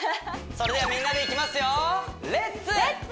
それではみんなでいきますよ「レッツ！